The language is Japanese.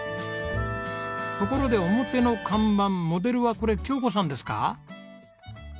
ところで表の看板モデルはこれ京子さんですか？